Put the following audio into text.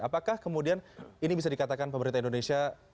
apakah kemudian ini bisa dikatakan pemerintah indonesia